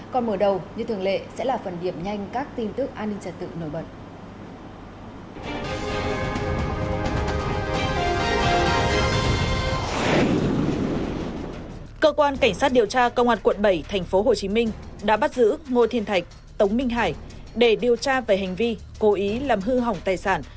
công an quận bảy tp hcm đã bắt giữ ngô thiên thạch tống minh hải để điều tra về hành vi cố ý làm hư hỏng tài sản